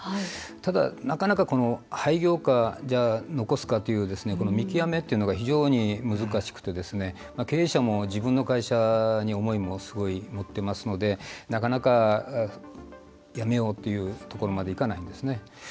ただ、なかなか廃業か残すかという見極めというのが非常に難しくてですね経営者も自分の会社に思いもすごい持ってますのでなかなか、やめようというところまでいかないんですね。